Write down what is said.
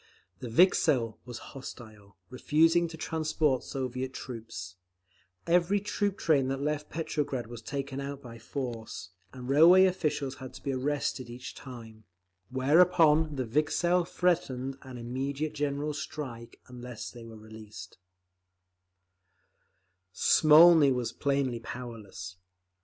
The Vikzhel was hostile, refusing to transport Soviet troops; every troop train that left Petrograd was taken out by force, and railway officials had to be arrested each time—whereupon the Vikzhel threatened an immediate general strike unless they were released…. Smolny was plainly powerless.